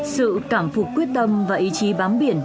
sự cảm phục quyết tâm và ý chí bám biển